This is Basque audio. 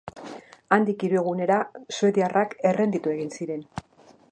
Handik hiru egunera suediarrak errenditu egin ziren.